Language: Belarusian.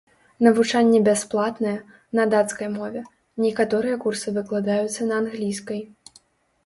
Навучанне бясплатнае, на дацкай мове, некаторыя курсы выкладаюцца на англійскай.